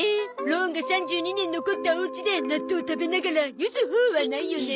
ローンが３２年残ったお家で納豆食べながら「ゆずほ」はないよね。